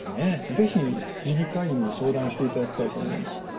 是非耳鼻科医に相談していただきたいと思います。